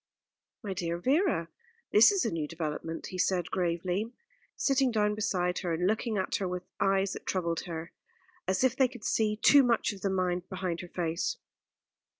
"My dear Vera, this is a new development," he said gravely, sitting down beside her, and looking at her with eyes that troubled her, as if they could see too much of the mind behind her face.